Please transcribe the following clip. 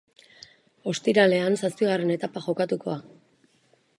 Ostiralean zazpigarren etapa jokatuko da.